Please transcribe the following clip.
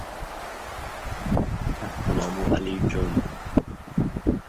Janubiy Koreyada "Kalmar namoyishi"